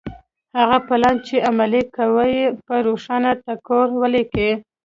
هغه پلان چې عملي کوئ يې په روښانه ټکو وليکئ.